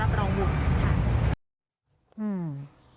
แต่ก็ส่วนตัวสามีอีกเราก็ตกลงแต่ละว่า